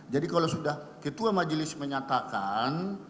jadi kalau sudah ketua majelis menyatakan